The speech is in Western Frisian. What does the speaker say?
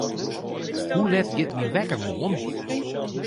Hoe let giet myn wekker moarn?